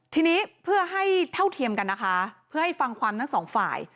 ทีนี้เพื่อให้เท่าเทียมกันนะคะเพื่อให้ฟังความทั้งสองฝ่าย